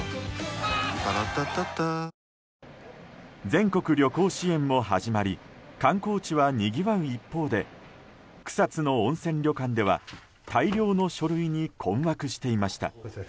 全国旅行支援も始まり観光地はにぎわう一方で草津の温泉旅館では大量の書類に困惑していました。